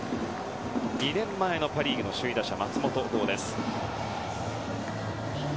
２年前のパ・リーグの首位打者松本剛です。